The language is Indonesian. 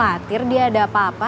gak yakin dia ada apa apa